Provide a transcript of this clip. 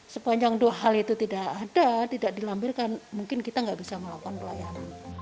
sepanjang dua hal itu tidak ada tidak dilampirkan mungkin kita nggak bisa melakukan pelayanan